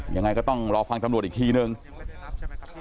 ยังไงก็ต้องรอฟังตำรวจอีกทีหนึ่งยังไม่ได้รับใช่ไหมครับ